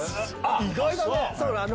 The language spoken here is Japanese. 意外だね！